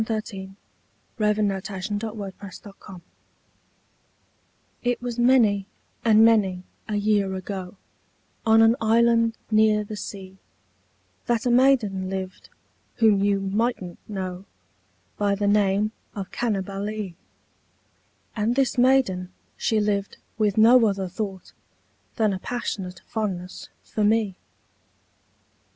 V^ Unknown, } 632 Parody A POE 'EM OF PASSION It was many and many a year ago, On an island near the sea, That a maiden lived whom you migbtnH know By the name of Cannibalee; And this maiden she lived with no other thought Than a passionate fondness for me.